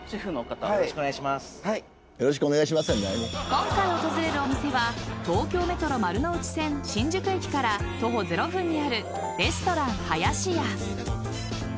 今回訪れるお店は東京メトロ丸の内線新宿駅から徒歩０分にあるレストランはやしや。